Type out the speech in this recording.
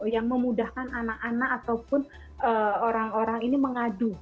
yang memudahkan anak anak ataupun orang orang ini mengadu